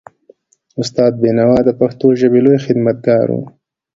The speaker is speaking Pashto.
استاد بینوا د پښتو ژبې لوی خدمتګار و.